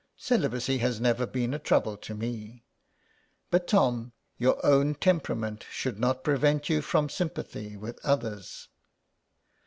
'* Celibacy has never been a trouble to me." But Tom, your own temperament should not prevent you from sympathy with others.